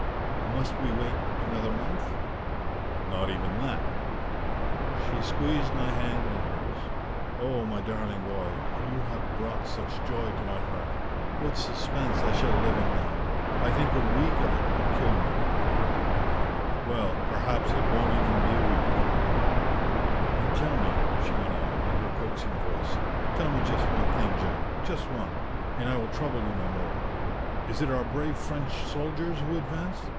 "Must we wait another month?" "Not even that." She squeezed my hand in hers. "Oh, my darling boy, you have brought such joy to my heart! What suspense I shall live in now! I think a week of it would kill me." "Well, perhaps it won't even be a week." "And tell me," she went on, in her coaxing voice, "tell me just one thing, Jack. Just one, and I will trouble you no more. Is it our brave French soldiers who advance?